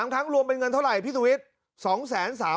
๓ครั้งรวมเป็นเงินเท่าไหร่พี่สุวิทย์